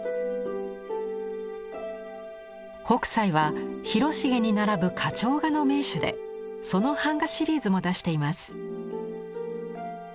北斎は広重に並ぶ花鳥画の名手でその版画シリーズも出しています。